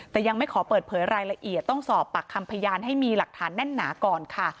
แต่ยังไม่ขอเปิดเผยรายละเอียดต้องสอบปากคำพยานให้มีหลักฐานแน่นหนาก่อนค่ะ